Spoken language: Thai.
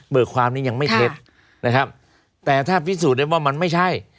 เบิกความนี้ยังไม่เทสแต่ถ้าพิสูจน์ได้ว่ามันไม่ใช่